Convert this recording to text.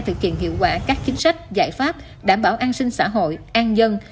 thực hiện hiệu quả các chính sách giải pháp đảm bảo an sinh xã hội an dân